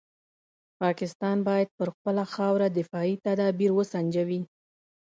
پاکستان باید پر خپله خاوره دفاعي تدابیر وسنجوي.